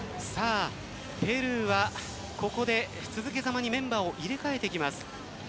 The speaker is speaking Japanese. ペルーはここで続けざまにメンバーを入れ替えてきます。